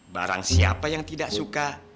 barang siapa yang tidak suka